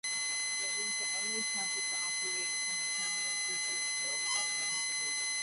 It was the only Temple to operate in a permanent, purpose-built building.